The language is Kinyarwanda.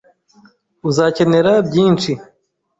Uzakenera byinshi.